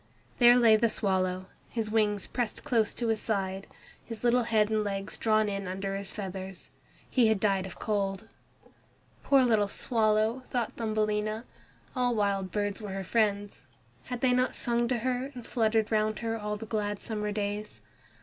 There lay the swallow, his wings pressed close to his side His little head and legs drawn in under his feathers. He had died of cold. "Poor little swallow!" thought Thumbelina. All wild birds were her friends. Had they not sung to her and fluttered round her all the long glad summer days?